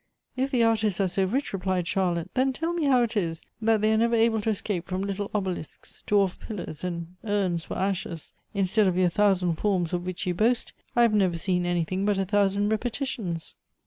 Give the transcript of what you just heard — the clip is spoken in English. " If the artists are so rich," replied Charlotte, " then tell me how it is that they are never able to escape from little obelisks, dwarf pillars, and urns for ashes : Instead of your thousand forms of which you boast, I have never seen anything but a thousand repetitions."